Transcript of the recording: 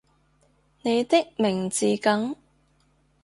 你的名字梗